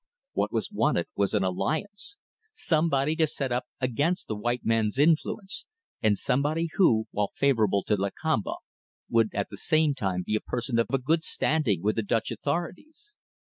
What was wanted was an alliance; somebody to set up against the white men's influence and somebody who, while favourable to Lakamba, would at the same time be a person of a good standing with the Dutch authorities.